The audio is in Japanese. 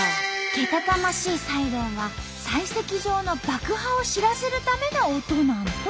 けたたましいサイレンは砕石場の爆破を知らせるための音なんと！